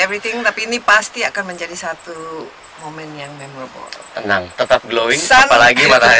everything tapi ini pasti akan menjadi satu moment yang memang termen tetap glowing apalagi mata